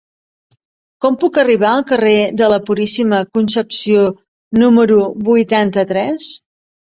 Com puc arribar al carrer de la Puríssima Concepció número vuitanta-tres?